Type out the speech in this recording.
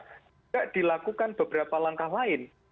tidak dilakukan beberapa langkah lain